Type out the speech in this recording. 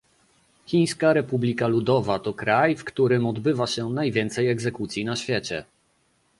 Chińska Republika Ludowa to kraj, w którym odbywa się najwięcej egzekucji na świecie